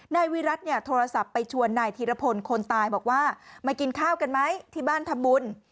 นายวิรัติเนี่ยโทรศัพท์ไปชวนนายธีรพลคนตายบอกว่ามากินข้าวกันไหมที่บ้านทำบุญ